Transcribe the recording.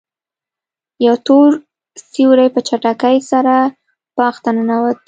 یو تور سیوری په چټکۍ سره باغ ته ننوت.